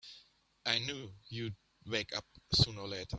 I knew you'd wake up sooner or later!